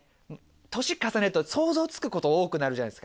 年重ねると想像つくこと多くなるじゃないですか。